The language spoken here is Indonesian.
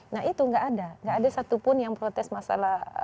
nah itu nggak ada nggak ada satupun yang protes masalah